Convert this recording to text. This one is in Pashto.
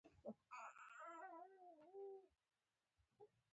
ده راته وویل چې په کندهار کې دی.